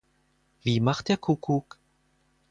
Wie macht der Kuckuck?